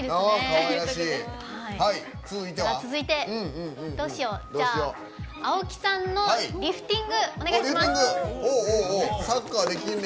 続いて青木さんの「リフティング」お願いします。